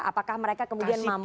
apakah mereka kemudian mampu